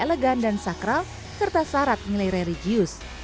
elegan dan sakral serta syarat nilai religius